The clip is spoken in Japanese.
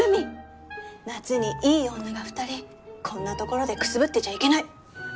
夏にいい女が２人こんな所でくすぶってちゃいけない！